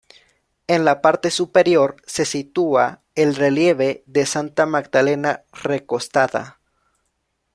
En la parte superior se sitúa el relieve de Santa Magdalena recostada.